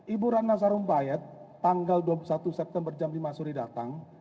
ibu ratna sarumpayat tanggal dua puluh satu september jam lima sore datang